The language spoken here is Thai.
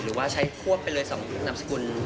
หรือว่าใช้ควบไปเลย๒นามสกุล